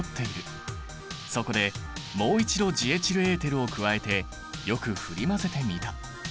そこでもう一度ジエチルエーテルを加えてよく振り混ぜてみた。